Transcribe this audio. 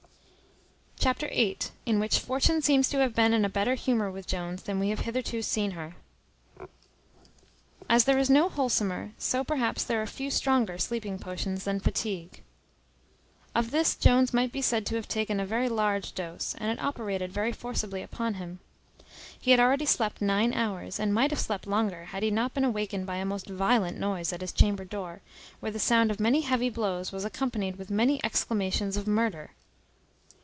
Chapter viii. In which fortune seems to have been in a better humour with Jones than we have hitherto seen her. As there is no wholesomer, so perhaps there are few stronger, sleeping potions than fatigue. Of this Jones might be said to have taken a very large dose, and it operated very forcibly upon him. He had already slept nine hours, and might perhaps have slept longer, had he not been awakened by a most violent noise at his chamber door, where the sound of many heavy blows was accompanied with many exclamations of murder.